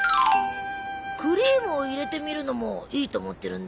クリームを入れてみるのもいいと思ってるんだ。